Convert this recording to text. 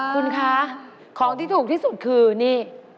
คุณคะของที่ถูกที่สุดคือนี่